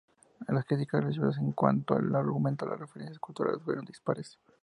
Las críticas recibidas en cuanto al argumento y las referencias culturales fueron dispares.